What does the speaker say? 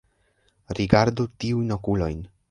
Rigardu tiujn okulojn